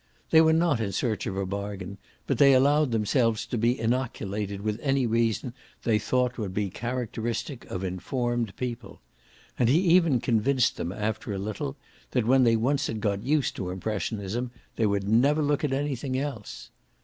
They were not in search of a bargain, but they allowed themselves to be inoculated with any reason they thought would be characteristic of informed people; and he even convinced them after a little that when once they had got used to impressionism they would never look at anything else.